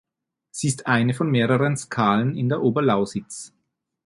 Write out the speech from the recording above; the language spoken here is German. Sie ist eine von mehreren Skalen in der Oberlausitz.